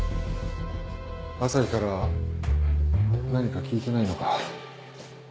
朝陽から何か聞いてないのか？